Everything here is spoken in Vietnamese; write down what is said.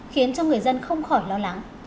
khiến cho người dân không khỏi lo lắng